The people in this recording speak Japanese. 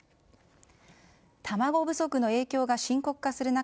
卵不足の影響が深刻化する中